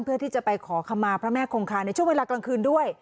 เพื่อที่จะไปขอคำมาพระแม่คงคาในช่วงเวลากลางคืนด้วย